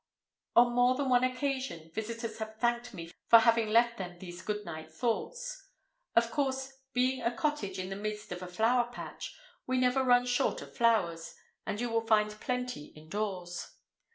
On more than one occasion visitors have thanked me for having left them these goodnight thoughts. Of course, being a cottage in the midst of a flower patch, we never run short of flowers, and you find plenty indoors.